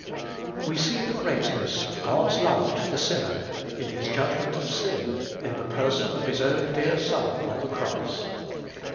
We see the greatness of God's love to the sinner in his judgment of sin in the person of his own dear Son on the cross.